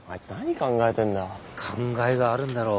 考えがあるんだろう。